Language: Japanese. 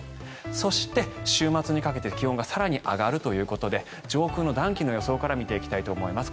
そして週末にかけて気温が更に上がるということで上空の暖気の予想から見ていきたいと思います